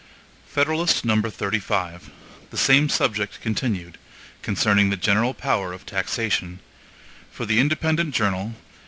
PUBLIUS FEDERALIST No. 35 The Same Subject Continued (Concerning the General Power of Taxation) For the Independent Journal.